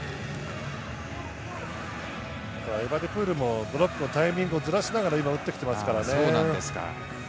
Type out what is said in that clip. エバディプールもブロックのタイミングをずらしながら打ってきていますからね。